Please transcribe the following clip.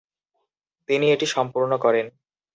তিনি এটি সম্পূর্ণ করেন।